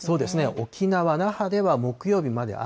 沖縄・那覇では、木曜日まで雨。